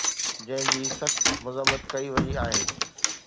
جنهن جي سخت مذمت ڪئي وئي آهي